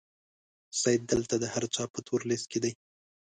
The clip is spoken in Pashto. سید دلته د هر چا په تور لیست کې دی.